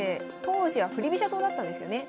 当時は振り飛車党だったんですよね。